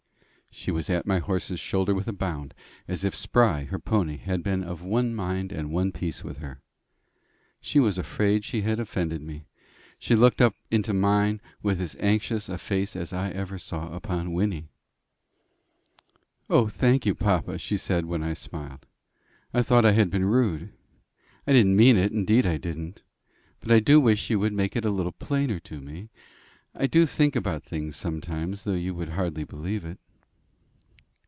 She was at my horse's shoulder with a bound, as if Spry, her pony, had been of one mind and one piece with her. She was afraid she had offended me. She looked up into mine with as anxious a face as ever I saw upon Wynnie. "O, thank you, papa!" she said when I smiled. "I thought I had been rude. I didn't mean it, indeed I didn't. But I do wish you would make it a little plainer to me. I do think about things sometimes, though you would hardly believe it."